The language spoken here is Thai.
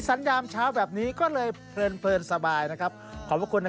คุณผู้ชมครับเรื่องแปลกเกิดขึ้นในโลกปลายนี้